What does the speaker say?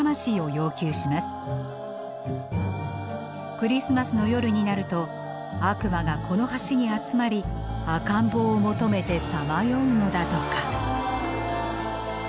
クリスマスの夜になると悪魔がこの橋に集まり赤ん坊を求めてさまようのだとか。